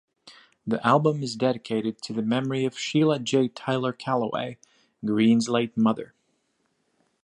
The album is dedicated to the memory of Sheila J. Tyler-Calloway, Green's late mother.